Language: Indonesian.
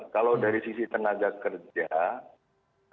kalau dari sisi tenaga kerja